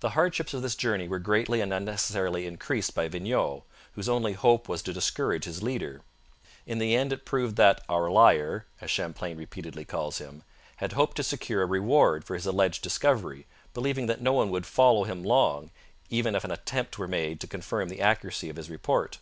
The hardships of this journey were greatly and unnecessarily increased by Vignau, whose only hope was to discourage his leader. In. the end it proved that 'our liar' (as Champlain repeatedly calls him) had hoped to secure a reward for his alleged discovery, believing that no one would follow him long, even if an attempt were made to confirm the accuracy of his report.